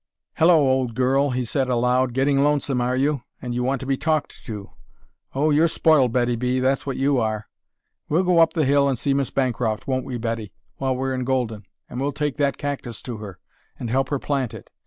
"Hello, old girl!" he said aloud, "getting lonesome, are you, and you want to be talked to. Oh, you're spoiled, Betty B., that's what you are. We'll go up the hill and see Miss Bancroft, won't we, Betty, while we're in Golden; and we'll take that cactus to her, and help her plant it.